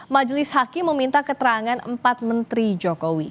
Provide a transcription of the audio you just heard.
majelis hakim meminta keterangan empat menteri jokowi